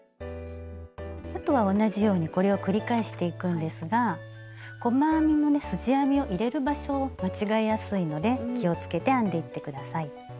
あとは同じようにこれを繰り返していくんですが細編みのねすじ編みを入れる場所を間違えやすいので気をつけて編んでいって下さい。